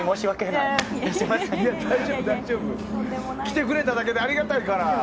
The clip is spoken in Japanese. いや、大丈夫。来てくれただけでありがたいから。